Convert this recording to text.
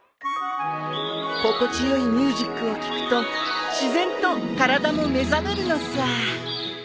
心地よいミュージックを聴くと自然と体も目覚めるのさ。